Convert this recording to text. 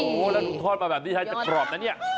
โอ้โหแล้วดูทอดมาแบบนี้ให้จะกรอบนะเนี่ย